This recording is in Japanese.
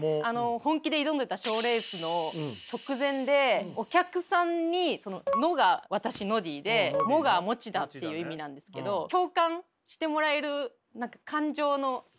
本気で挑んでた賞レースの直前でお客さんに「ノ」が私ノディで「モ」がモチダっていう意味なんですけど共感してもらえる感情の位置を書いてて。